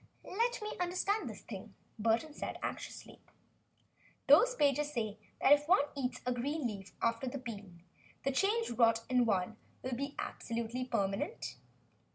"Let me understand this thing," Burton said, anxiously. "Those pages say that if one eats a green leaf after the bean, the change wrought in one will become absolutely permanent?"